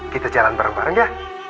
kita jalan bareng bareng ya